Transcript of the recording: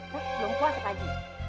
belum puas pak haji